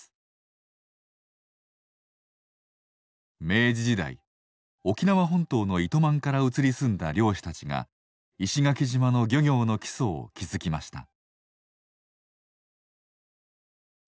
明治時代沖縄本島の糸満から移り住んだ漁師たちが石垣島の漁業の基礎を築きました。